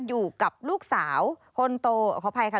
อยู่กับลูกสาวคนโตขออภัยค่ะ